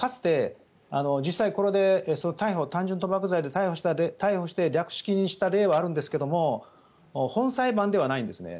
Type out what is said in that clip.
実際、これで逮捕単純賭博罪で逮捕して略式にした例はあるんですが本裁判ではないんですね。